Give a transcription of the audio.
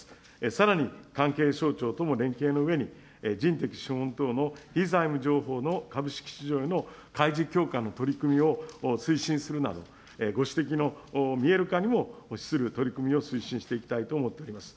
さらに関係省庁とも連携のうえに、人的資本等の非財務情報の株式市場への開示強化の取り組みを推進するなど、ご指摘の見える化にも資する取り組みを推進していきたいと思っております。